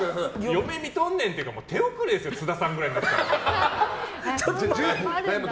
嫁見とんねんっていうか手遅れですよ津田さんくらいになったらもう。